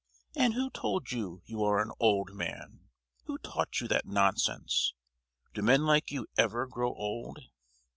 "And who told you you are an old man? Who taught you that nonsense? Do men like you ever grow old?